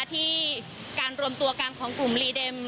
ที่การรวมตัวกันของกลุ่มลีเด็ม